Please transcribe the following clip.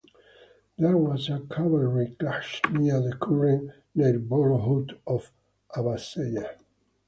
There was a cavalry clash near the current neighbourhood of Abbaseya.